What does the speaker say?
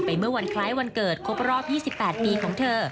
เมื่อวันคล้ายวันเกิดครบรอบ๒๘ปีของเธอ